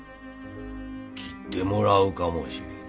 切ってもらうかもしれん。